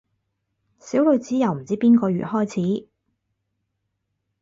小女子由唔知邊個月開始